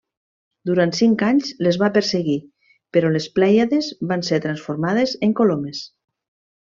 Durant cinc anys les va perseguir, però les Plèiades van ser transformades en colomes.